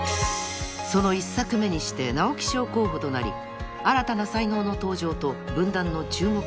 ［その１作目にして直木賞候補となり新たな才能の登場と文壇の注目を浴びる］